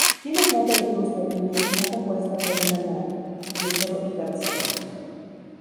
Tiene planta de cruz latina y está compuesta por una nave, crucero y cabecera.